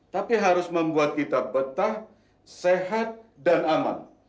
tapi harus membuat kita betah sehat dan aman